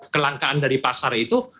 kelangkaan dari pasar itu